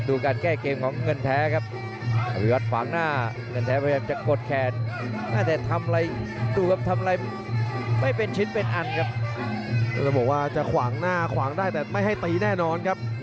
ต้องการเอาเงินแท้มาแล้วครับ